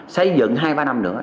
xây dựng hai ba năm nữa